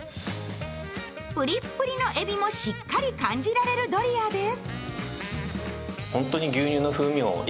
ぷりっぷりのえびもしっかりかんじられるドリアです。